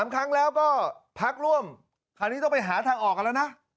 ๓ครั้งแล้วก็พักร่วมคราวนี้ต้องไปหาทางออกกันแล้วนะ